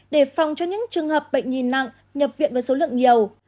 để phòng cho những trường hợp bệnh nhi nặng nhập viện với số lượng nhiều